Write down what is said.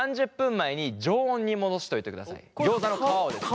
ギョーザの皮をですね。